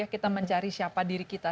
kita mencari siapa diri kita